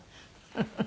フフフ。